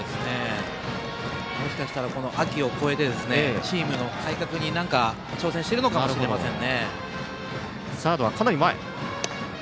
もしかしたら、秋を越えてチームの改革に挑戦しているのかもしれません。